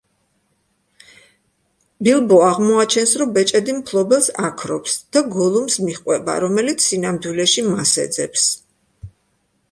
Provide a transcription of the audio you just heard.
ბილბო აღმოაჩენს, რომ ბეჭედი მფლობელს აქრობს და გოლუმს მიჰყვება, რომელიც სინამდვილეში მას ეძებს.